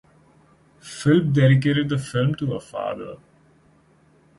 Philp dedicated the film to her father.